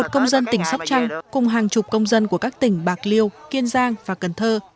một công dân tỉnh sóc trăng cùng hàng chục công dân của các tỉnh bạc liêu kiên giang và cần thơ